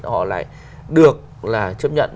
họ lại được là chấp nhận